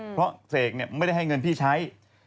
เพราะเสกไม่ได้ให้เงินพี่ใช้